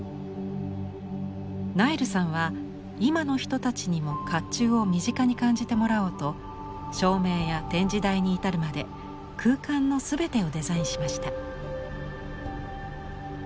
ナイルさんは今の人たちにも甲冑を身近に感じてもらおうと照明や展示台に至るまで空間の全てをデザインしました。